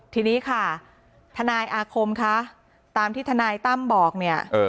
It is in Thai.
ทีนี้ค่ะทนายอาคมคะตามที่ทนายตั้มบอกเนี่ย